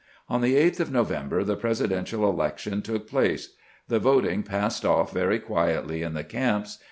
On the 8th of November the Presidential election took place. The voting passed off very quietly in the camps.